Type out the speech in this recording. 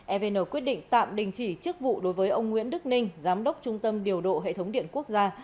evn quyết định tạm đình chỉ chức vụ đối với ông nguyễn đức ninh giám đốc trung tâm điều độ hệ thống điện quốc gia